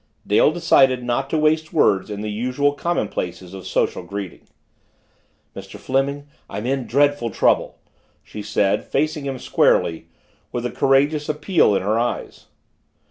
Dale decided not to waste words in the usual commonplaces of social greeting. "Mr. Fleming, I'm in dreadful trouble!" she said, facing him squarely, with a courageous appeal in her eyes.